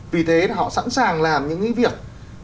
vì thế họ sẵn sàng làm những cái việc